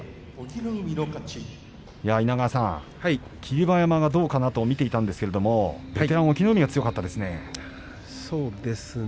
稲川さん霧馬山がどうかなと見ていたんですが、きょうは隠岐の海が強かったですね。